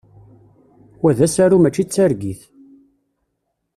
Wa d asaru mačči d targit!